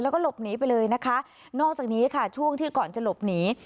แล้วก็หลบหนีไปเลยนะคะนอกจากนี้ค่ะช่วงที่ก่อนจะหลบหนี